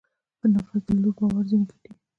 پر نفس د لوړ باور ځينې ګټې.